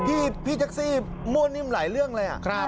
พี่แท็กซี่มั่วนิ่มหลายเรื่องเลย